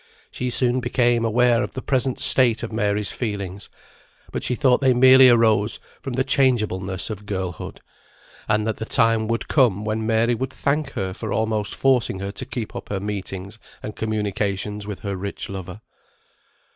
She soon became aware of the present state of Mary's feelings, but she thought they merely arose from the changeableness of girlhood, and that the time would come when Mary would thank her for almost forcing her to keep up her meetings and communications with her rich lover.